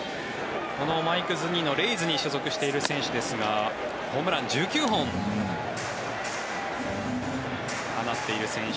マイク・ズニーノレイズに所属している選手ですがホームラン１９本放っている選手。